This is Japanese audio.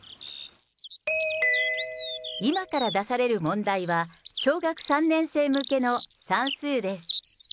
今から出される問題は小学３年生向けの算数です。